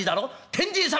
天神様！